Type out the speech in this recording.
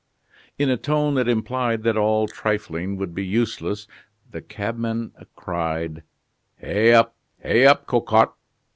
In a tone that implied that all trifling would be useless the cabman cried: "Hey up, hey up, Cocotte!"